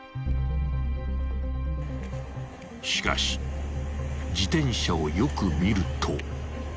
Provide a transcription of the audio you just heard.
［しかし自転車をよく見ると］